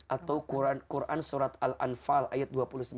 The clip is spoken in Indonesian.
atau quran surat al anfal ayat dua puluh sembilan